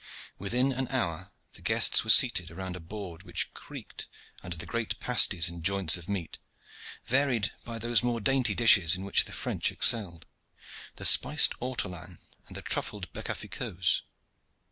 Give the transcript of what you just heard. Within an hour the guests were seated around a board which creaked under the great pasties and joints of meat, varied by those more dainty dishes in which the French excelled, the spiced ortolan and the truffled beccaficoes.